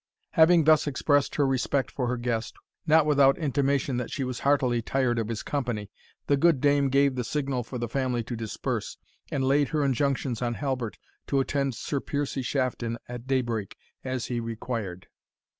Having thus expressed her respect for her guest, not without intimation that she was heartily tired of his company, the good dame gave the signal for the family to disperse, and laid her injunctions on Halbert to attend Sir Piercie Shafton at daybreak, as he required.